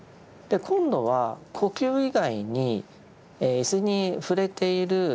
今度は呼吸以外に椅子に触れている